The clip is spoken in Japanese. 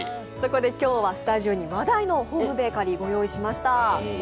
そこで今日は話題のホームベーカリーをご用意しました。